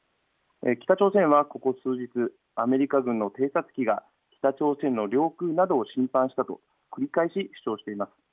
北朝鮮はここ数日、アメリカ軍の偵察機が北朝鮮の領空などを侵犯したと繰り返し主張しています。